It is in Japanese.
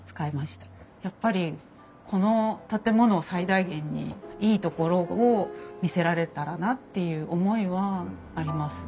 やっぱりこの建物を最大限にいいところを見せられたらなっていう思いはあります。